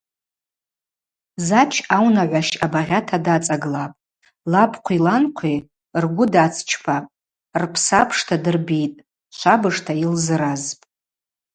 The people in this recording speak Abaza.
Зач аунагӏва щъа багъьата дацӏаглапӏ, лабхъви ланхъви ргвы дацчпапӏ, рпсы апшта дырбитӏ, швабыжта йылзыразпӏ.